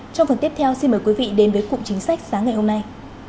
trong phần tiếp theo xin mời quý vị đến với cụm chính sách sáng ngày hôm nay